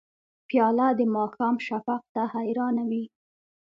پیاله د ماښام شفق ته حیرانه وي.